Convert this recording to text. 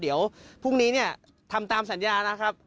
เดี๋ยวพรุ่งนี้เนี่ยทำตามสัญญานะครับ